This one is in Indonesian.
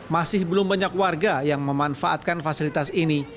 masih belum banyak warga yang memanfaatkan fasilitas ini